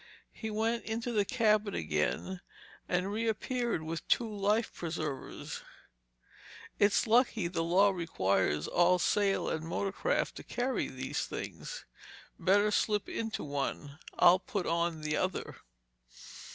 He went into the cabin again and reappeared with two life preservers. "It's lucky the law requires all sail and motor craft to carry these things. Better slip into one—I'll put on the other."